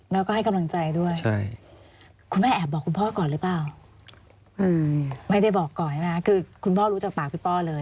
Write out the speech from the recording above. แล้วก็ให้กำลังใจด้วยคุณแม่แอบบอกคุณพ่อก่อนหรือเปล่าไม่ได้บอกก่อนใช่ไหมคะคือคุณพ่อรู้จากปากพี่ป้อเลย